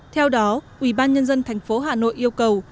theo đó ubnd tp hà nội yêu cầu